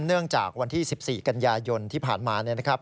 เนื่องจากวันที่๑๔กันยายนที่ผ่านมานะครับ